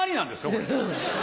これ。